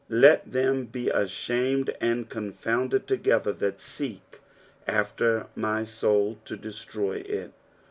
Let them he athamed a.nd confounded together that leek qfler my »oul to ieitrvy it."